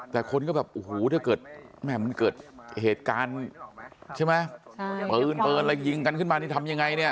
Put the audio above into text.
แต่คนก็แบบโอ้โหถ้าเกิดแม่มันเกิดเหตุการณ์ใช่ไหมปืนอะไรยิงกันขึ้นมานี่ทำยังไงเนี่ย